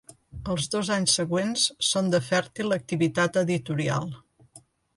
Els dos anys següents són de fèrtil activitat editorial.